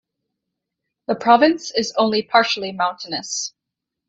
The province is only partially mountainous.